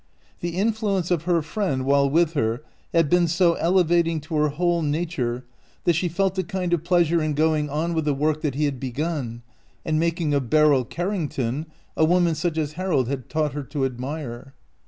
The influence of her friend while with her had been so elevating to her whole nature that she felt a OUT OF BOHEMIA kind of pleasure in going on with the work that he had begun, and making of Beryl Carrington a woman such as Harold had taught her to admire.